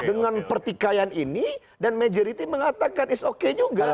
dengan pertikaian ini dan majority mengatakan is okay juga